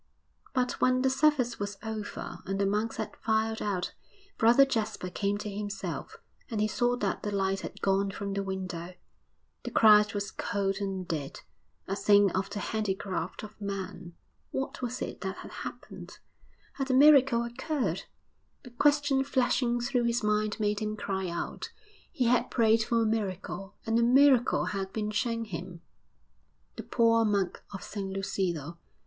But when the service was over and the monks had filed out, Brother Jasper came to himself and he saw that the light had gone from the window; the Christ was cold and dead, a thing of the handicraft of man. What was it that had happened? Had a miracle occurred? The question flashing through his mind made him cry out. He had prayed for a miracle, and a miracle had been shown him the poor monk of San Lucido....